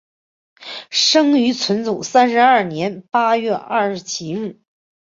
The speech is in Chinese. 生于纯祖三十二年八月二十七日。